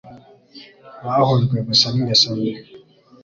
bahujwe gusa n’ingeso mbi